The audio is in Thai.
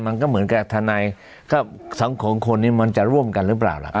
มันก็เหมือนกับทนายก็สังคมคนนี้มันจะร่วมกันหรือเปล่าล่ะ